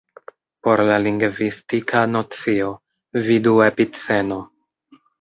Por la lingvistika nocio, vidu Epiceno.